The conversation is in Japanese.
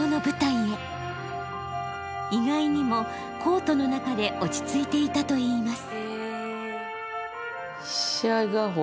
意外にもコートの中で落ち着いていたといいます。